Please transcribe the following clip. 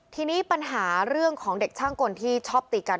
ทีนี้ปัญหาเรื่องของเด็กช่างกลที่ชอบตีกัน